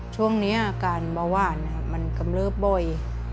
ช่วงนี้อาการบะว่านมันกำลับบ่อย